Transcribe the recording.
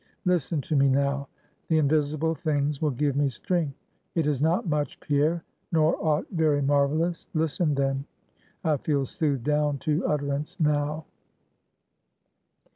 Listen to me, now. The invisible things will give me strength; it is not much, Pierre; nor aught very marvelous. Listen then; I feel soothed down to utterance now."